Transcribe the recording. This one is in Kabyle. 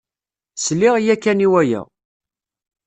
Sliɣ ya kan i waya.